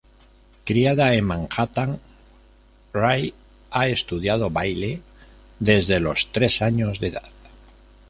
Criada en Manhattan, Ray ha estudiado baile desde los tres años de edad.